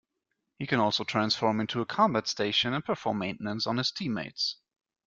He can also transform into a combat station and perform maintenance on his teammates.